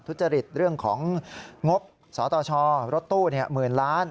ทุจริตเรื่องของงบสตชรถตู้๑๐๐๐๐๐๐๐บาท